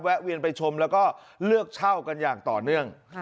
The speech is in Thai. เวียนไปชมแล้วก็เลือกเช่ากันอย่างต่อเนื่อง